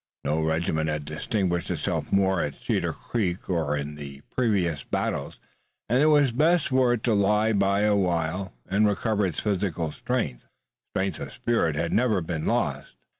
No regiment had distinguished itself more at Cedar Creek or in the previous battles, and it was best for it to lie by a while, and recover its physical strength strength of the spirit it had never lost.